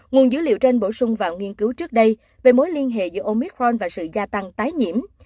nguồn dữ liệu trên bổ sung vào nghiên cứu trước đây về mối liên hệ giữa omicron và sự gia tăng tái nhiễm